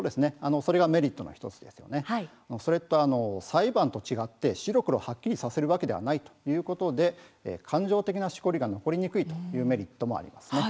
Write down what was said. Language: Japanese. それと裁判と違って白黒はっきりさせるわけではないということで感情的なしこりが残りにくいというメリットもあります。